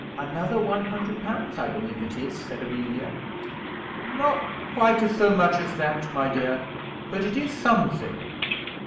"Another one hundred pounds I believe it is," said Amelia. "Not quite so much as that, my dear, but it is something."